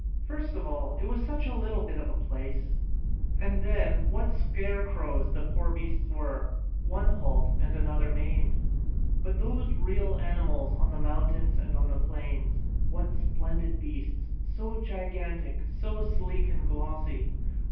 First of all, it was such a little bit of a place, and then what scarecrows the poor beasts were, one halt, and another maimed! But those real animals on the mountains and the plains what splendid beasts, so gigantic, so sleek and glossy!